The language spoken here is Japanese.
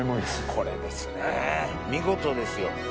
これですね見事ですよ。